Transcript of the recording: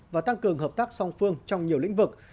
và tăng cường hợp tác song phương trong nhiều lĩnh vực